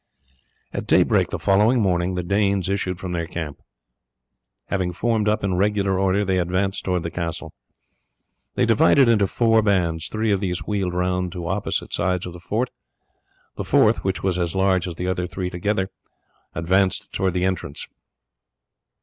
At daybreak the following morning the Danes issued from their camp. Having formed up in regular order, they advanced towards the castle. They divided into four bands; three of these wheeled round to opposite sides of the fort, the fourth, which was as large as the other three together, advanced towards the entrance.